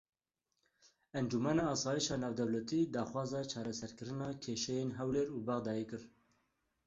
Encûmena Asayişa Navdewletî daxwaza çareserkirina kêşeyên Hewlêr û Bexdayê kir.